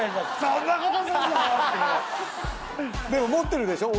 でも持ってるでしょ。